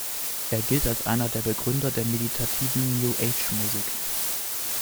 Er gilt als einer der Begründer der meditativen New-Age-Musik.